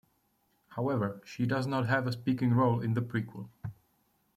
However, she does not have a speaking role in the prequel.